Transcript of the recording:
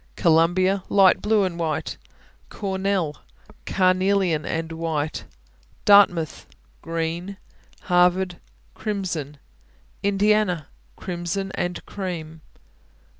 Columbia Light blue and white. Cornell Carnelian and white. Dartmouth Green. Harvard Crimson. Indiana Crimson and cream.